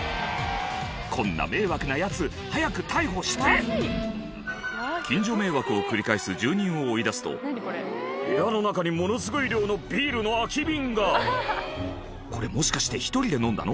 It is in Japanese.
こんな迷惑なヤツ早く逮捕して近所迷惑を繰り返す住人を追い出すと部屋の中にものすごい量のビールの空き瓶がこれもしかして１人で飲んだの？